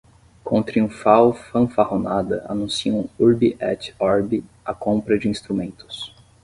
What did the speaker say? com triunfal fanfarronada anunciam urbi et orbi a compra de instrumentos